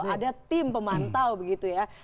ada tim pemantau begitu ya